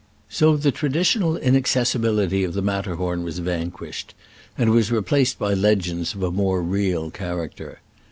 So the traditional inaccessibility of th^ Matterhorn was vanquished, and was re placed by legends of a more real cha racter.